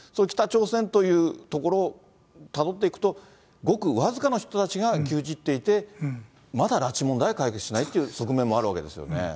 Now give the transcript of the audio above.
北朝鮮という所をたどっていくと、ごくわずかの人たちが牛耳っていて、まだ拉致問題は解決しないっていう側面もあるわけですよね。